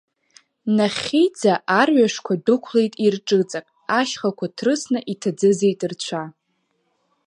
Нахьхьиӡа арҩашқәа дәықәлеит ирҿыҵак, ашьхақәа ҭрысны иҭаӡыӡеит рцәа.